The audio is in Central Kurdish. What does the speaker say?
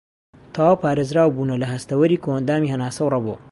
تەواو پارێزراوبوونە لە هەستەوەری کۆئەندامی هەناسە و رەبۆ